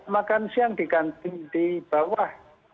makan siang di ganti di bawah